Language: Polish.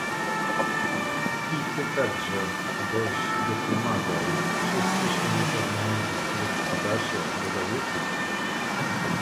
"„I ty także, boś dopomagał.“ „Wszyscyśmy zawinili, prócz Adasia,“ dodał Jakubek."